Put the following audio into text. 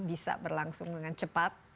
bisa berlangsung dengan cepat